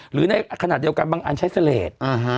หรือในขณะเดียวกันบางอันใช้เสลด